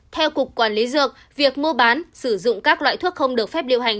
theo cục quản lý dược việc mua bán sử dụng các loại thuốc không được phép lưu hành